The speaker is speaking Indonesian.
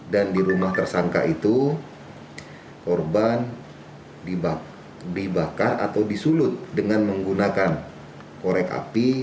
dan di rumah tersangka itu korban dibakar atau disulut dengan menggunakan korek api